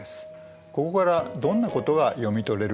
ここからどんなことが読み取れるでしょう？